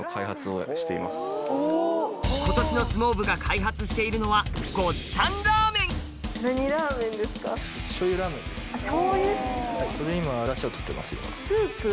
今年の相撲部が開発しているのはスープ？